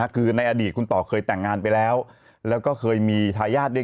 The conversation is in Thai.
คือในอดีตคุณต่อเคยแต่งงานไปแล้วแล้วก็เคยมีทายาทด้วย